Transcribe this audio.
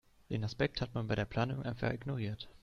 Den Aspekt hat man bei der Planung einfach ignoriert.